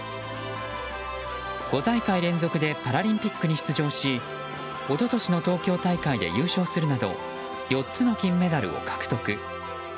５大会連続でパラリンピックに出場し一昨年の東京大会で優勝するなど４つの金メダルを獲得。